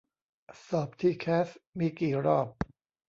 สอบทีแคสมีกี่รอบ